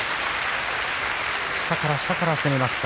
下から下から攻めました。